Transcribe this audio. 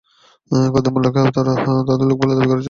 কাদের মোল্লাকে তারা তাদের লোক বলে দাবি করেছে।